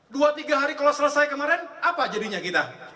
dua tiga hari kalau selesai kemarin apa jadinya kita